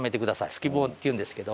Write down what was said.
突き棒っていうんですけど。